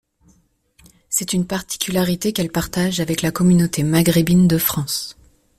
C'est une particularité qu'elle partage avec la communauté maghrébine de France.